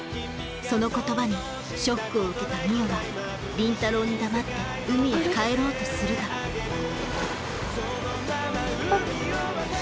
その言葉にショックを受けた海音は倫太郎に黙って海へ帰ろうとするがあ。